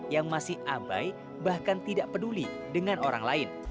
yang masih abai bahkan tidak peduli dengan orang lain